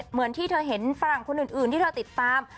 เหมือนที่เธอเห็นฝรั่งคนอื่นที่เธอติดตาม